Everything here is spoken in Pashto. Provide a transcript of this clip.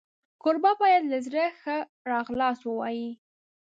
کوربه باید له زړه ښه راغلاست ووایي.